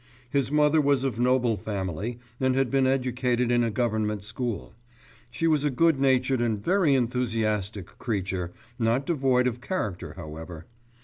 His mother was of noble family, and had been educated in a government school. She was a good natured and very enthusiastic creature, not devoid of character, however.